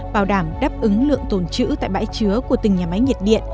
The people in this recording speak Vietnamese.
bảo đảm đáp ứng lượng tồn trữ tại bãi chứa của từng nhà máy nhiệt điện